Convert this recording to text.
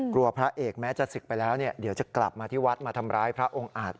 พระเอกแม้จะศึกไปแล้วเดี๋ยวจะกลับมาที่วัดมาทำร้ายพระองค์อาจ